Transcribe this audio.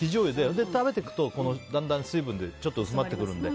食べていくとだんだん、水分でちょっと薄まっていくので。